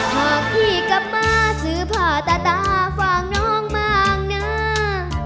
หากพี่กลับมาซื้อผ้าตาตาฟังน้องมากน้า